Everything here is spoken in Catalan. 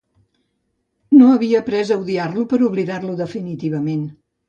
No havia aprés a odiar-lo per a oblidar-lo definitivament.